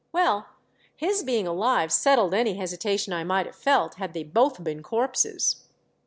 Well, his being alive settled any hesitation I might have felt had they both been corpses.